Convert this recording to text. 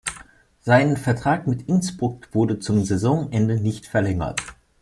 Sein Vertrag mit Innsbruck wurde zum Saisonende nicht verlängert.